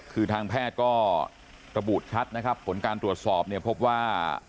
คือทางแพทย์ก็ระบุชัดนะครับผลการตรวจสอบเนี่ยพบว่า